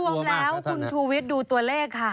รวมแล้วคุณชูวิทย์ดูตัวเลขค่ะ